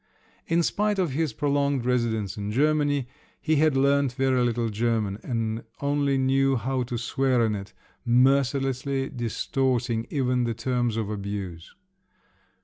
In spite of his prolonged residence in Germany, he had learnt very little German, and only knew how to swear in it, mercilessly distorting even the terms of abuse.